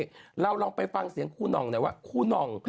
แล้วเราลองไปฟังเสียงคุณหนองไหนว่าคุณหนอง